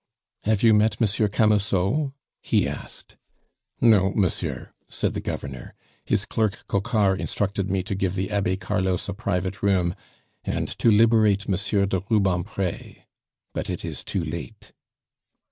"Have you met Monsieur Camusot?" he asked. "No, monsieur," said the Governor; "his clerk Coquart instructed me to give the Abbe Carlos a private room and to liberate Monsieur de Rubempre but it is too late."